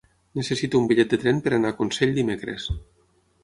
Necessito un bitllet de tren per anar a Consell dimecres.